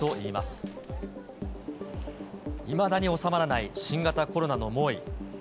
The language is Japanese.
いまだに収まらない新型コロナの猛威。